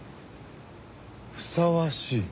ふさわしい？